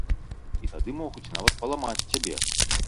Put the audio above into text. І тады могуць нават паламаць цябе.